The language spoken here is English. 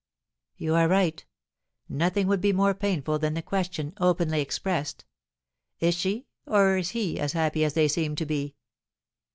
"You are right; nothing would be more painful than the question, openly expressed, 'Is she or he as happy as they seem to be?'